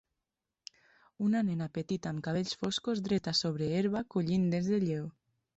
Una nena petita amb cabells foscos dreta sobre herba collint dents de lleó.